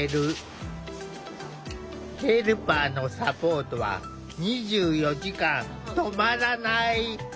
ヘルパーのサポートは２４時間止まらない。